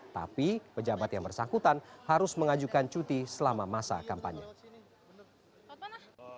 tapi pejabat yang bersangkutan harus mengajukan cuti selama masa kampanye